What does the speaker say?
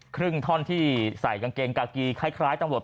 ครึ่งท่อนที่ใส่กางเกงกากีคล้ายตำรวจ